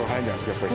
やっぱり。